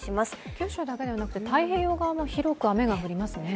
九州だけではなくて、太平洋側も広く雨が降りますね。